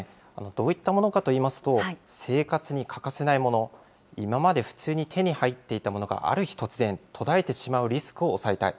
どういったものかといいますと、生活に欠かせないもの、今まで普通に手に入っていたものが、ある日突然、途絶えてしまうリスクを抑えたい。